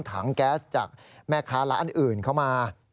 ถังแก๊สจากแม่ค้าร้านอื่นเข้ามา